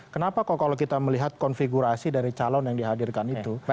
kenapa kok kalau kita melihat konfigurasi dari calon yang dihadirkan itu